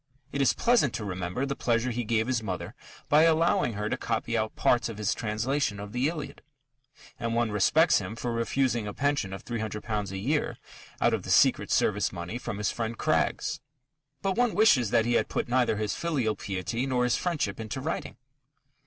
It is pleasant to remember the pleasure he gave his mother by allowing her to copy out parts of his translation of the Iliad, and one respects him for refusing a pension of £300 a year out of the secret service money from his friend Craggs. But one wishes that he had put neither his filial piety nor his friendship into writing.